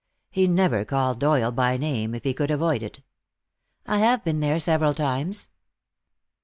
He never called Doyle by name if he could avoid it. "I have been there several times."